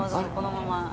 このまま。